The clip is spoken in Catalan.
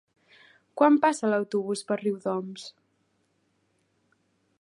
Quan passa l'autobús per Riudoms?